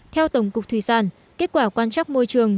theo tổng cục thủy sản kết quả quan trắc môi trường